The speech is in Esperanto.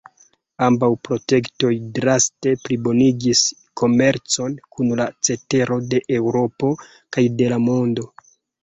Ambaŭ projektoj draste plibonigis komercon kun la cetero de Eŭropo kaj de la mondo.